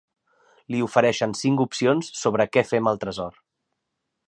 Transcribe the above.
Li ofereixen cinc opcions sobre què fer amb el tresor.